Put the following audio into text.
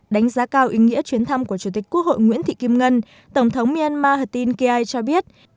đánh giá cao ý nghĩa chuyến thăm của chủ tịch quốc hội nguyễn thị kim ngân tổng thống myanmar hatin kia cho biết